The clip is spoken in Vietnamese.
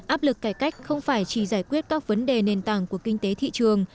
áp lực cải cách không phải chỉ giải quyết các vấn đề nền tảng của kinh tế thị trường